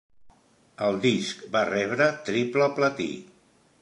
El disc va rebre triple platí.